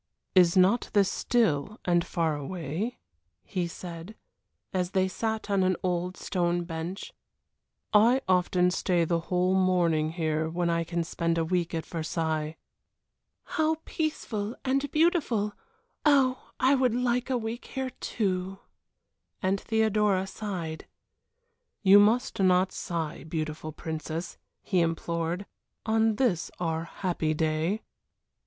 "Is not this still and far away?" he said, as they sat on an old stone bench. "I often stay the whole morning here when I spend a week at Versailles." "How peaceful and beautiful! Oh, I would like a week here, too!" and Theodora sighed. "You must not sigh, beautiful princess," he implored, "on this our happy day."